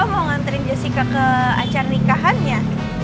mau nganterin jessica ke acara nikahannya